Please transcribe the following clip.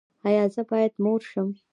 ایا زه باید مور شم؟